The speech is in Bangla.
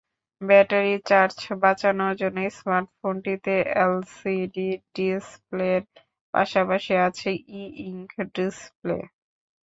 ব্যাটারির চার্জ বাঁচানোর জন্য স্মার্টফোনটিতে এলসিডি ডিসপ্লের পাশাপাশি আছে ই-ইংক ডিসপ্লে।